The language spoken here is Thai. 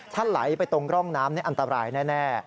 ถ้าไหลไปตรงร่องน้ำนี่อันตรายแน่